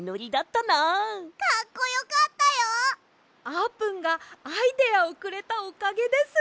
あーぷんがアイデアをくれたおかげです。